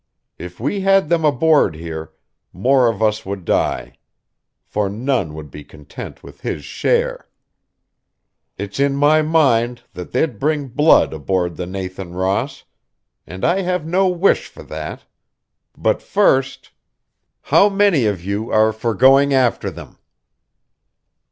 If we had them aboard here, more of us would die; for none would be content with his share.... "It's in my mind that they'd bring blood aboard the Nathan Ross. And I have no wish for that. But first "How many of you are for going after them?"